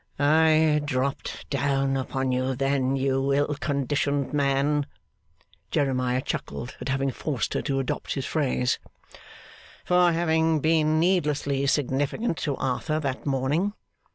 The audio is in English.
'I dropped down upon you, then, you ill conditioned man,' (Jeremiah chuckled at having forced her to adopt his phrase,) 'for having been needlessly significant to Arthur that morning.